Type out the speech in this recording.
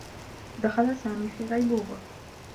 دخل سامي في غيبوبة.